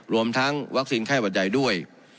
รวมทั้งวัคซีนไข้หวัดใหญ่ด้วย